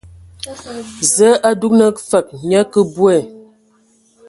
Zǝǝ a dugan fǝg nye kǝ bwe.